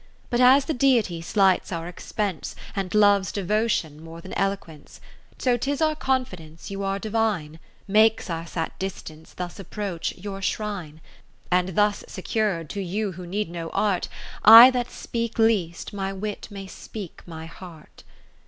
But as the Deity slights our expense. And loves Devotion more than Eloquence : So 'tis our confidence you are divine, Makes us at distance thus approach your Shrine. And thus secur'd, to you who need no art, I that speak least my wit may speak my heart.